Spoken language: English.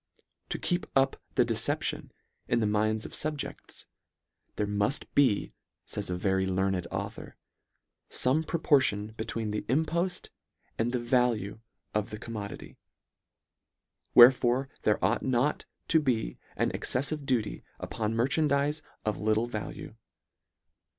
To keep up the decep tion in the minds of fubjecls " there mull be," fays a very learned author d " fome proportion between the import and the value of the commodity ; wherefore there ought not to be an exceffive duty upon merchan dizes of little value.